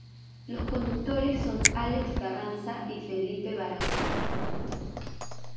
Los conductores son Alex Carranza y Pepe Barahona.